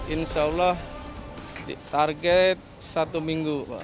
insya allah target satu minggu